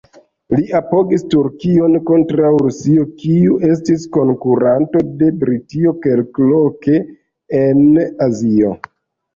Li apogis Turkion kontraŭ Rusio, kiu estis konkuranto de Britio kelkloke en Azio.